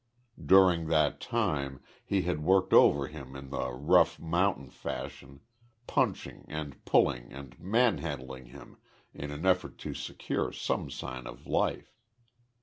During that time he had worked over him in the rough mountain fashion, punching and pulling and manhandling him in an effort to secure some sign of life.